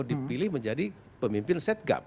yang pilih menjadi pemimpin setgap